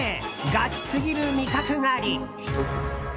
ガチすぎる味覚狩り。